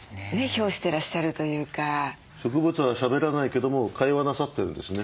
植物はしゃべらないけども会話なさってるんですね。